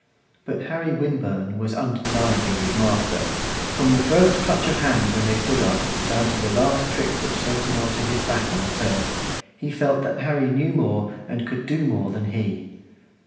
But Harry Winburn was undeniably his master; from the first clutch of hands when they stood up, down to the last trip which sent him on to his back on the turf, he felt that Harry knew more and could do more than he.